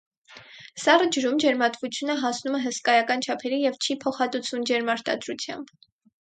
Սառը ջրում ջերմատվությունը հասնում է հսկայական չափերի և չի փոխհատուցվում ջերմարտադրությամբ։